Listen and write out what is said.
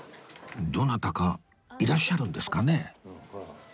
どなたかいらっしゃるんですかね？